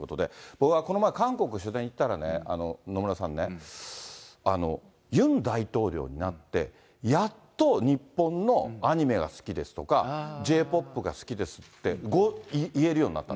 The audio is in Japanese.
僕がこの間、韓国に取材に行ったらね、野村さんね、ユン大統領になって、やっと日本のアニメが好きですとか、Ｊ−ＰＯＰが好きですって言えるようになった。